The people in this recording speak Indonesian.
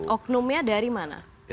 oknumnya dari mana